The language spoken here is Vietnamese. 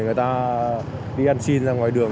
người ta đi ăn xin ra ngoài đường